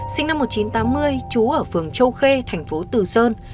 sinh năm một nghìn chín trăm tám mươi trú ở phường châu khê thành phố từ sơn